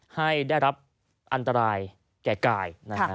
ให้ได้รับอันตรายแก่กาย